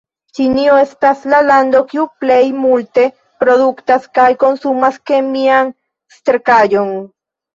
Ĉinio estas la lando kiu plej multe produktas kaj konsumas kemian sterkaĵon.